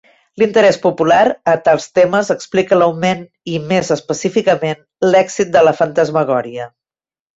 L'interès popular a tals temes explica l'augment i, més específicament, l'èxit de la fantasmagoria.